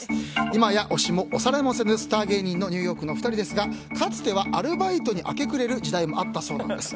今や押しも押されもせぬスター芸人のニューヨークのお二人ですがかつてはアルバイトに明け暮れる時代もあったそうなんです。